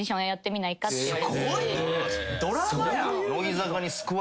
ドラマやん。